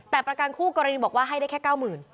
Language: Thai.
แต่ประกันคู่กรณีบอกว่าให้ได้แค่๙๐๐